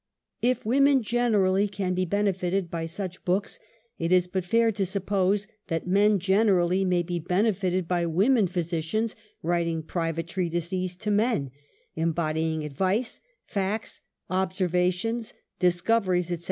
If women generally can be benefited by such books, it is but fair to suppose that men generally may be benefited by women physicians writing ^'private treatises" to men, embodying advice, facts, observations, discoveries, etc.